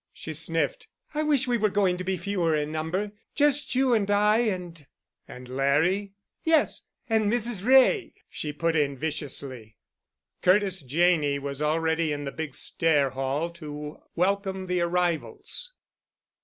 She sniffed. "I wish we were going to be fewer in number. Just you and I and——" "And Larry?" "Yes—and Mrs. Wray," she put in viciously. Curtis Janney was already in the big stair hall to welcome the arrivals.